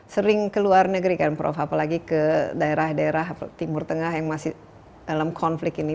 sering ke luar negeri kan prof apalagi ke daerah daerah timur tengah yang masih dalam konflik ini